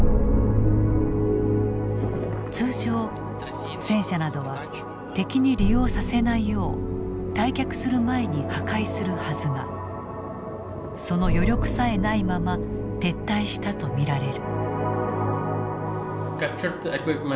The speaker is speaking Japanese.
通常戦車などは敵に利用させないよう退却する前に破壊するはずがその余力さえないまま撤退したと見られる。